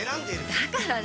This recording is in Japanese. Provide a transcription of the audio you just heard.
だから何？